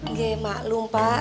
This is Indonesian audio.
nggak maklum pak